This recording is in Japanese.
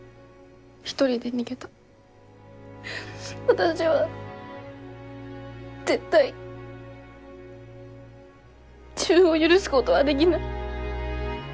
私は絶対自分を許すごどはできない。